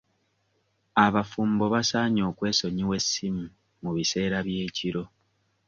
Abafumbo basaanye okwesonyiwa essimu mu biseera by'ekiro.